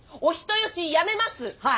はい！